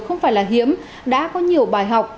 không phải là hiếm đã có nhiều bài học